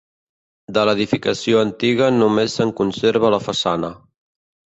De l'edificació antiga només se'n conserva la façana.